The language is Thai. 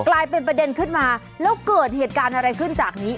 กลายเป็นประเด็นขึ้นมาแล้วเกิดเหตุการณ์อะไรขึ้นจากนี้